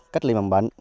cách liên bằng bệnh